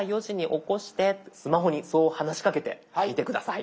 スマホにそう話しかけてみて下さい。